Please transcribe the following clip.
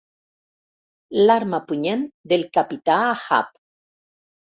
L'arma punyent del capità Ahab.